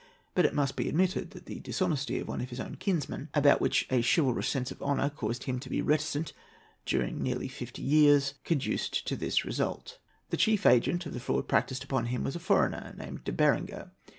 But it must be admitted that the dishonesty of one of his own kinsmen—about which a chivalrous sense of honour caused him to be reticent during nearly fifty years—conduced to this result. The chief agent of the fraud practised upon him was a foreigner, named De Berenger.